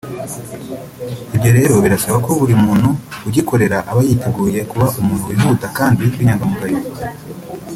Ibyo rero birasaba ko buri muntu ugikorera aba yiteguye kuba umuntu wihuta kandi w’inyangamugayo